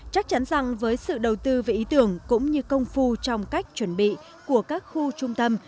chắc chắn rằng với sự đầu tư về ý tưởng cũng như công phu trong cách chuẩn bị của các khu trung tâm